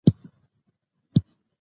ازادي راډیو د اداري فساد اړوند مرکې کړي.